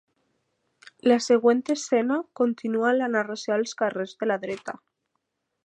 La següent escena continua la narració als carrers de la dreta.